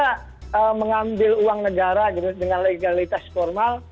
mereka mengambil uang negara gitu dengan legalitas formal